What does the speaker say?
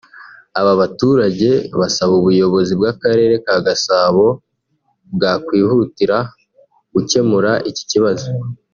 Aba baturage basaba ubuyobozi bw’Akarere ka Gasabo bwakwihutira gukemura iki kibazo